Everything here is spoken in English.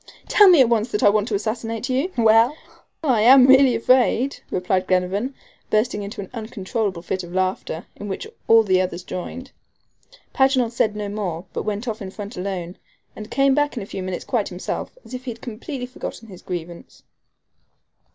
"Tell me at once that I want to assassinate you?" "Well, I am really afraid," replied Glenarvan, bursting into an uncontrollable fit of laughter, in which all others joined. Paganel said no more, but went off in front alone, and came back in a few minutes quite himself, as if he had completely forgotten his grievance.